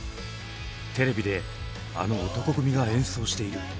テレビであの男闘呼組が演奏している。